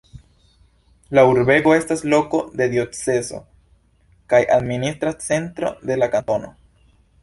La urbego estas loko de diocezo kaj administra centro de la kantono.